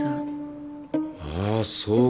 ああそうか。